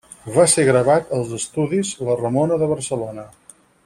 Va ser gravat als estudis La Ramona de Barcelona.